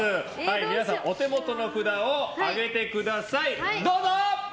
皆さん、お手元の札を上げてください。